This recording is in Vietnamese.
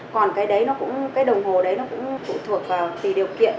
còn cái đấy nó cũng cái đồng hồ đấy nó cũng phụ thuộc vào tùy điều kiện